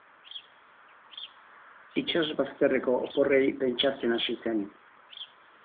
Itsas bazterreko oporrei pentsatzen hasi zen.